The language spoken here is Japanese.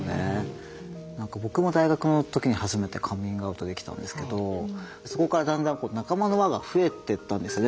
僕も大学の時に初めてカミングアウトできたんですけどそこからだんだん仲間の輪が増えてったんですね